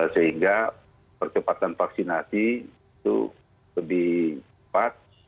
sehingga percepatan vaksinasi itu lebih cepat